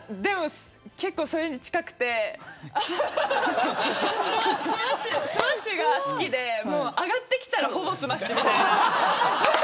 結構それに近くてスマッシュが好きで上がってきたらほぼスマッシュみたいな。